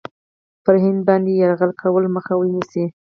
پر هند باندي یرغل کولو مخه ونیسي.